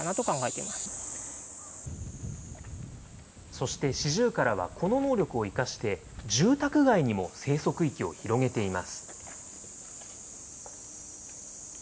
そしてシジュウカラはこの能力を生かして、住宅街にも生息域を広げています。